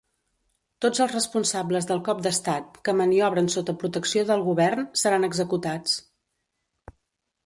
Tots els responsables del cop d'estat, que maniobren sota protecció del govern, seran executats.